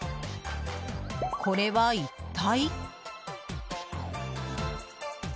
これは一体？